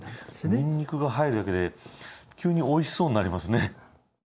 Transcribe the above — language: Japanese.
にんにくが入るだけで急においしそうになりますね。